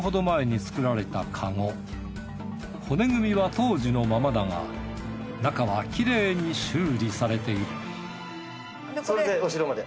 骨組みは当時のままだが中はきれいに修理されているそれでお城まで？